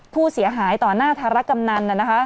ผู้เสียหายต่อหน้าธารกำนัน